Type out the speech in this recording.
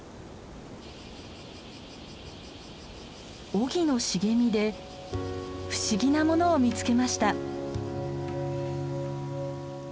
オギの茂みで不思議なものを見つけました。